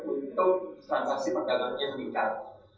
untuk transaksi perdagangnya meningkat